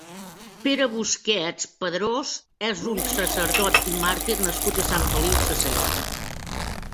Pere Busquets Padros és un sacerdot i màrtir nascut a Sant Feliu Sasserra.